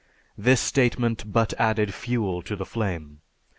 This statement but added fuel to the flame.